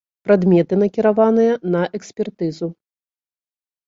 Прадметы накіраваныя на экспертызу.